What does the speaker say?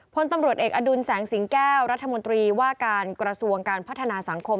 พลตำรวจเอกอดุลแสงสิงแก้วรัฐมนตรีว่าการกระทรวงการพัฒนาสังคม